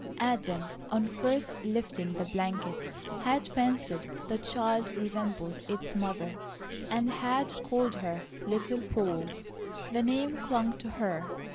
Adam, on first lifting the blanket, had fancied the child resembled its mother and had called her "Little Poll." The name clung to her.